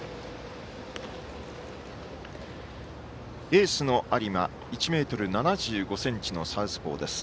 エースの有馬、１ｍ７５ｃｍのサウスポーです。